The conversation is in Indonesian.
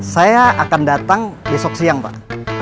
saya akan datang besok siang pak